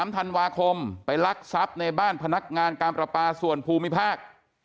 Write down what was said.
๓ธันวาคมไปลักทรัพย์ในบ้านพนักงานการประปาส่วนภูมิภาค